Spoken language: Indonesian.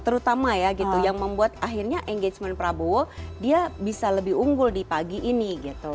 terutama ya gitu yang membuat akhirnya engagement prabowo dia bisa lebih unggul di pagi ini gitu